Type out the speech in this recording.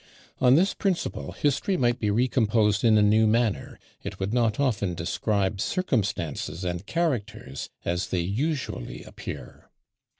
On this principle, history might be recomposed in a new manner; it would not often describe circumstances and characters as they usually appear.